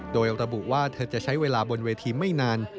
โดยระบุว่าเธอจะใช้เวลาบนเวทีไม่นาน